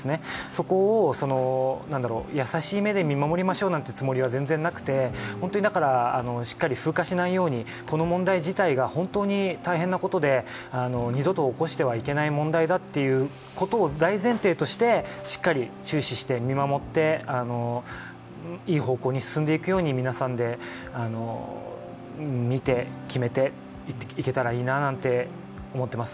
そこを優しい目で見守りましょうなんてつもりは全然なくて、本当にしっかり風化しないように、この問題自体が本当に大変なことで、二度と起こしてはいけない問題だってことを大前提としてしっかり注視して見守って、いい方向に進んでいくように、皆さんで見て、決めていけたらいいななんて思っています。